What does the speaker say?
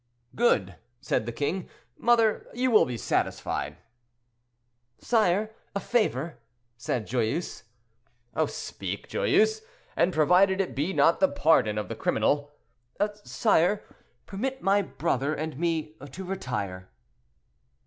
"Good," said the king. "Mother, you will be satisfied." "Sire, a favor," said Joyeuse. "Speak, Joyeuse; and provided it be not the pardon of the criminal—" "Sire, permit my brother and me to retire."